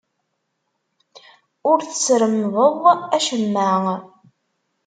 Ur tesremdeḍ acemma.